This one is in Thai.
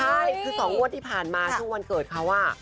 ใช่คือ๒งวดที่ผ่านมาช่วงวันเกิดเขา